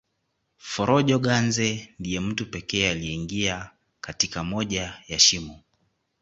Forojo Ganze ndiye mtu pekee aliyeingia katika moja ya shimo